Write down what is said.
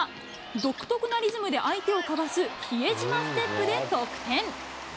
独特なリズムで相手をかわす比江島ステップで得点。